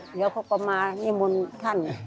เดี๋ยวเขาก็มานิมนต์ท่าน